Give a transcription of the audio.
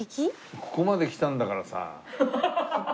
「ここまで来たんだから」